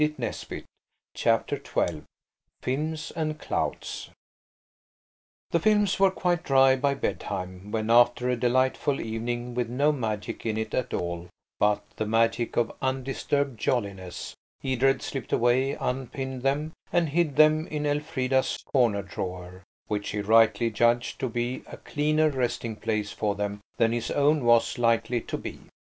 Because–" CHAPTER XII FILMS AND CLOUDS THE films were quite dry by bedtime, when, after a delightful evening with no magic in it at all but the magic of undisturbed jolliness, Edred slipped away, unpinned them and hid them in Elfrida's corner drawer, which he rightly judged to be a cleaner resting place for them than his own was likely to be.